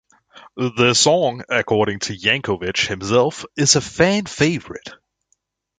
The song, according to Yankovic himself, is a fan-favorite.